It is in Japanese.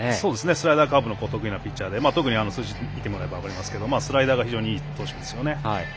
スライダーとカーブが得意なピッチャーで特に数字に見てもらうと分かりますが、スライダーがいい投手ですよね。